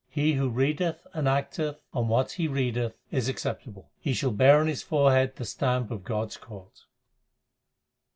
He who readeth and acteth on what he readeth, is accept able. He shall bear on his forehead the stamp of God s court.